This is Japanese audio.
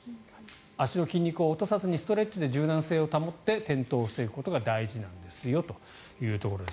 足の筋肉を落とさずにストレッチで柔軟性を保って転倒を防ぐことが大事なんですよというところです。